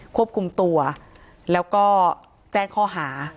ควบคุมตัวแล้วก็แจ้งข้อหา